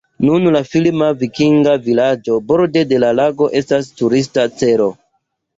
Nun la filma vikinga vilaĝo borde de la lago estas turista celo.